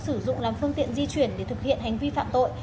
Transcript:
sử dụng làm phương tiện di chuyển để thực hiện hành vi phạm tội